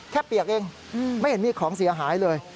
เปียกเองไม่เห็นมีของเสียหายเลย